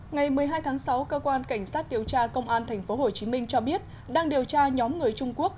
ngày một mươi hai tháng sáu cơ quan cảnh sát điều tra công an tp hcm cho biết đang điều tra nhóm người trung quốc